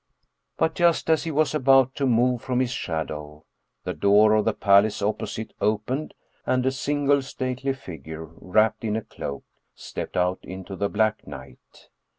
But just as he was about to move from his shadow, the door of the palace opposite opened and a single stately figure wrapped in a cloak stepped out into the black night.